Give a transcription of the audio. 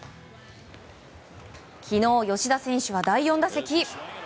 昨日、吉田選手は第４打席。